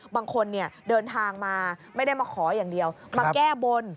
บางคนเดินทางมาไม่ได้มาขออย่างเดียวมาแก้บน